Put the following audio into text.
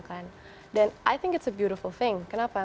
dan saya pikir itu adalah hal yang indah kenapa